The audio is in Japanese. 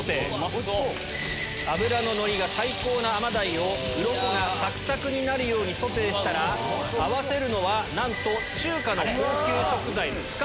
脂ののりが最高な甘鯛をウロコがサクサクになるようにソテーしたら合わせるのはなんと中華の高級食材。